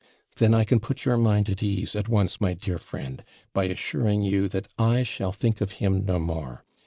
'Then I can put your mind at ease, at once, my dear friend, by assuring you that I shall think of him no more.